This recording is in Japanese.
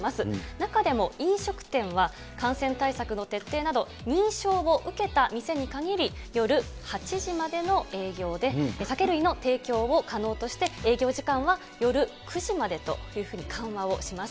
中でも、飲食店は、感染対策の徹底など認証を受けた店に限り、夜８時までの営業で、酒類の提供を可能として、営業時間は夜９時までというふうに緩和をします。